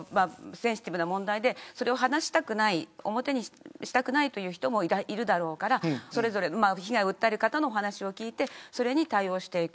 センシティブな問題でそれは話したくない表にしたくないという人もいるだろうから被害を訴える方のお話を聞いてそれに対応していく。